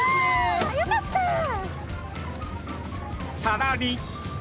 さらに。